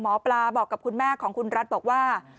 หมอปลาบอกกับคุณแม่ของคุณรัฐบอกว่า